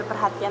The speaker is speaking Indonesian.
terima kasih ya